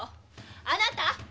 あなたっ！